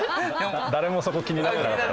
誰もそこ気にならなかった。